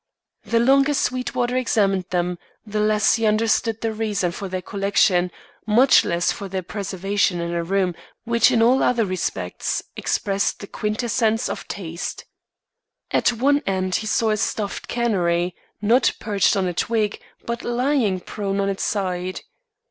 The longer Sweetwater examined them, the less he understood the reason for their collection, much less for their preservation in a room which in all other respects, expressed the quintessence of taste. At one end he saw a stuffed canary, not perched on a twig, but lying prone on its side.